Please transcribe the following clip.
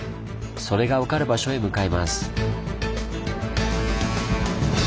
それが分かる場所へ向かいます。